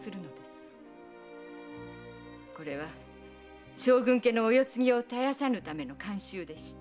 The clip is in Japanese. これは将軍家のお世継ぎを絶やさぬための慣習でした。